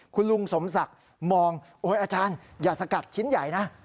คุณลุงสมศักดิ์มองโอ๊ยอาจารย์อย่าสกัดชิ้นใหญ่นะ